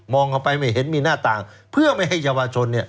มองเข้าไปไม่เห็นมีหน้าต่างเพื่อไม่ให้เยาวชน